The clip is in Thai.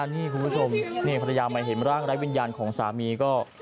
นี่คุณผู้ชมนี่ภรรยามาเห็นร่างไร้วิญญาณของสามีก็